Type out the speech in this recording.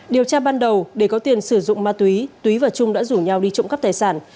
điều tra ban đầu để có tiền sử dụng ma túy túy và trung đã rủ nhau đi trộm cắp tài sản